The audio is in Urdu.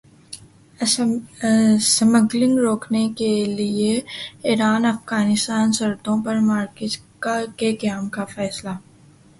اسمگلنگ روکنے کیلئے ایران افغانستان سرحدوں پر مارکیٹس کے قیام کا فیصلہ